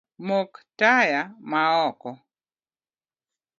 Mok taya maoko